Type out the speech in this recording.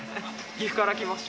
岐阜から来ました。